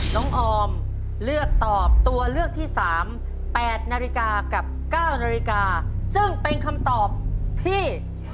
น้องออมเลือกตอบตัวเลือกที่๓๘นาฬิกากับ๙นาฬิกาซึ่งเป็นคำตอบที่